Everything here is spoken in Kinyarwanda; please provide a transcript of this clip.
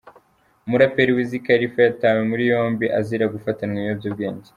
Umuraperi Wiz Khalifa yatawe muri yombi azira gufatanwa ibiyobyabwenge.